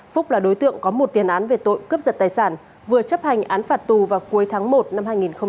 phúc là đối tượng có một tiền án về tội cướp giật tài sản vừa chấp hành án phạt tù vào cuối tháng một năm hai nghìn hai mươi